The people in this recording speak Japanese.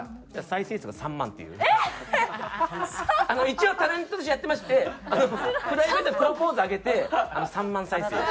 ３！一応タレントとしてやってましてプライベートのプロポーズ上げて３万再生。